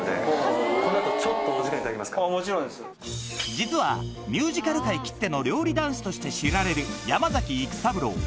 実はミュージカル界きってのとして知られる山崎育三郎